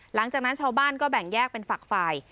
หลังจากนั้นชาวบ้านก็แบ่งแยกเป็นฝักฝ่าย